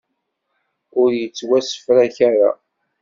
Ur yettwasefrak ara.